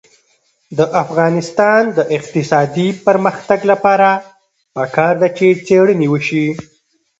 د افغانستان د اقتصادي پرمختګ لپاره پکار ده چې څېړنې وشي.